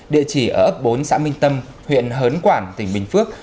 địa chỉ ở ấp bốn xã minh tâm huyện hớn quản tỉnh bình phước